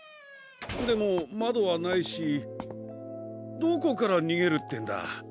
でもまどはないしどこからにげるってんだ。